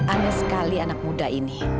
aneh sekali anak muda ini